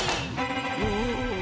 『おお』。